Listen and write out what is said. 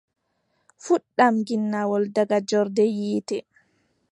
Fuɗɗam ginnawol, daga joorde yiʼété.